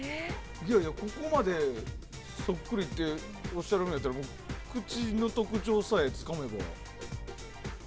そこまでそっくりっておっしゃるんだったらもう口の特徴さえつかめば。